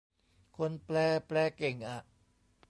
คนแปลแปลเก่งอะ